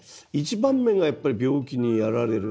１番目がやっぱり病気にやられる。